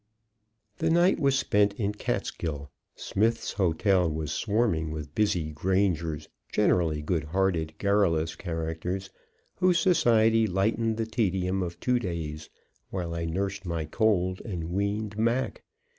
The night was spent in Catskill. Smith's Hotel was swarming with busy grangers, generally good hearted, garrulous characters, whose society lightened the tedium of two days, while I nursed my cold and weaned Mac.